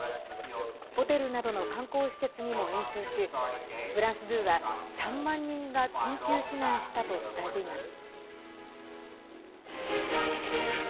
ホテルなどの観光施設にも延焼しフランス２は３万人が緊急避難したと伝えています。